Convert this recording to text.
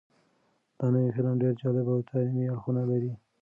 دا نوی فلم ډېر جالب او تعلیمي اړخونه لري.